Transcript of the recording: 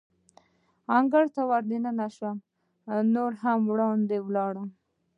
انګړ ته ور دننه شوم، نور هم وړاندې ولاړم.